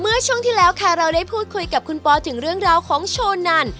เมื่อช่วงที่แล้วค่ะเราได้พูดคุยกับคุณปอถึงเรื่องราวของโชนัน